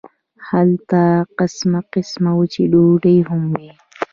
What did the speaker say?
هلته قسم قسم وچې ډوډۍ هم وې.